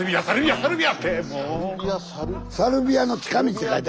スタジオサルビアの近道って書いてある。